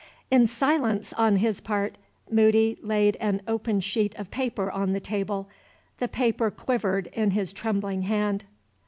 In silence on his part, Moody laid an open sheet of paper on the table. The paper quivered in his trembling hand.